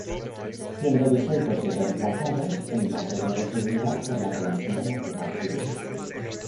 Siendo disueltos y remplazados en materia de seguridad por la Policía Nacional Civil.